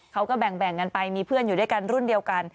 เขาก็แบ่งกันไปมีเพื่อนอยู่ด้วยกันรุ่นเดียวกัน